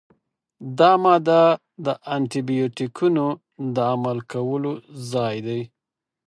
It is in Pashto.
دا ماده د انټي بیوټیکونو د عمل کولو ځای دی.